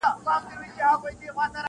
چي خوري در نه ژوندي بچي د میني قاسم یاره ,